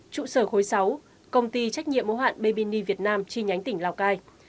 trụ sở khối sáu công ty trách nhiệm mô hạn babyni việt nam chi nhánh tỉnh lào cai